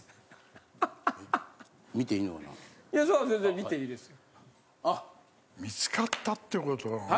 見つかったってことは。